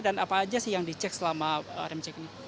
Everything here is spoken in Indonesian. dan apa aja sih yang dicek selama rem cek ini